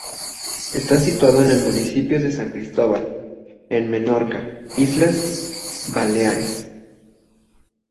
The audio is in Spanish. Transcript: Está situada en el municipio de San Cristóbal, en Menorca, Islas Baleares.